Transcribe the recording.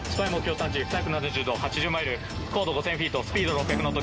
探知、方位２７０度、距離８０マイル、高度５０００フィート、スピード６００ノット。